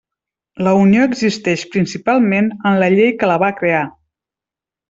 La Unió existeix principalment en la llei que la va crear.